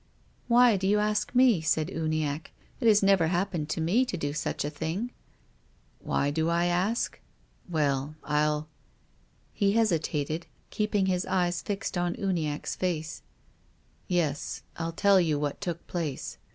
"Why do you ask me?" said Uniacke. "It has never happened to mc to do such a thing." "Why do I ask? Well, I'll—" He hesitated, keeping his eyes fixed on Uniacke's face, "Yes, I'll tell you what took place.